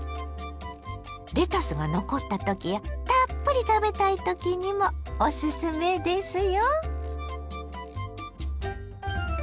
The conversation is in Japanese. レタスが残ったときやたっぷり食べたいときにもおすすめですよ。